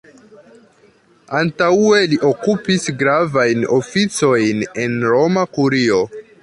Antaŭe li okupis gravajn oficojn en Roma Kurio.